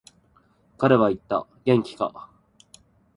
彼は言った、元気か。